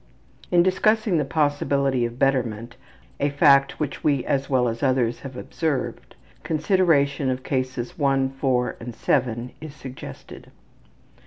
In discussing the possibility of betterment, a fact which we as well as others have observed, consideration of Cases 1, 4, and 7 is suggested.